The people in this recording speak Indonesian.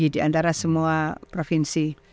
di antara semua provinsi